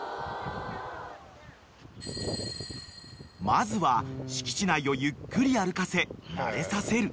［まずは敷地内をゆっくり歩かせ慣れさせる］